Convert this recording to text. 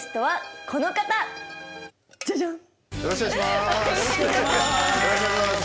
よろしくお願いします。